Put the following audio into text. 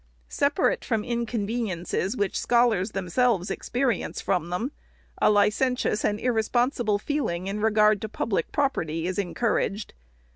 Separate from the inconveniences which scholars themselves experience from them, a licentious and irresponsible feeling, in regard to 478 REPORT OP THE SECRETARY public property, is encouraged.